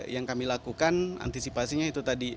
yang kami lakukan antisipasinya itu tadi